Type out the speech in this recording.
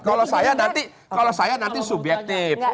kalau saya nanti subjektif